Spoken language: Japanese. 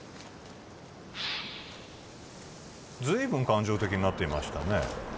ずいぶん感情的になっていましたね